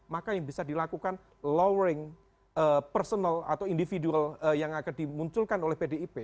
maka yang bisa dilakukan lowering personal atau individual yang akan dimunculkan oleh pdip